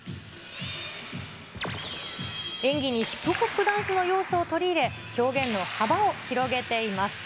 演技にヒップホップダンスの要素を取り入れ、表現の幅を広げています。